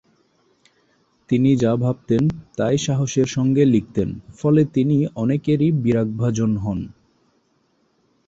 তিনি যা ভাবতেন তাই সাহসের সঙ্গে লিখতেন ফলে তিনি অনেকেরই বিরাগভাজন হন।